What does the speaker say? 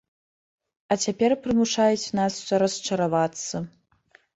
А цяпер прымушаюць нас расчаравацца.